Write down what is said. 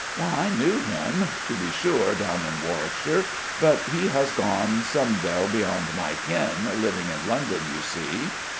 "I knew him: to be sure, down in Warwickshire: but he has gone somedel beyond my ken, living in London, you see."